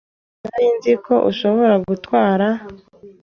Sinari nzi ko ushobora gutwara.